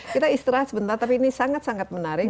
kita istirahat sebentar tapi ini sangat sangat menarik